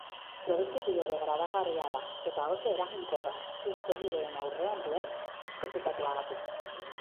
Produktu biodegradagarria da, eta oso eraginkorra, su solidoen aurrean duen biskositateagatik.